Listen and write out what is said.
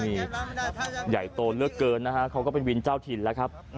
นี่ใหญ่โตเลือกเกินนะฮะเขาก็เป็นวินเจ้าถิ่นแล้วครับ